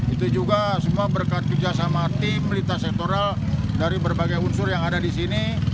itu juga semua berkat kerjasama tim lintas sektoral dari berbagai unsur yang ada di sini